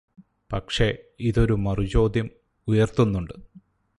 പക്ഷെ, ഇതൊരു മറുചോദ്യം ഉയർത്തുന്നുണ്ട്.